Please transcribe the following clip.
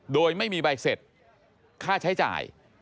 โดยไม่มีใบเสร็จค่าใช้จ่าย